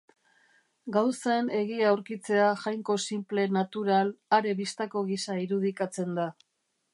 Gauzen egia aurkitzea jainko sinple, natural, are bistako gisa irudikatzen da.